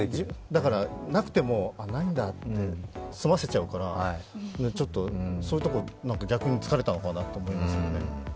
だから、なくても「ないんだ」で済ませちゃうからそういうところ、逆に突かれたのかなと思いますね。